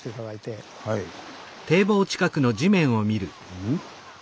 うん？